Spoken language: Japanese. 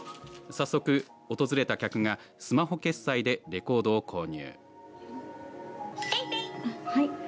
早速、訪れた客がスマホ決済でレコードを購入。